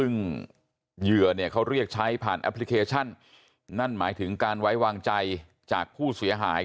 นั้นหมายถึงการไว้วางใจจากผู้เสียหาย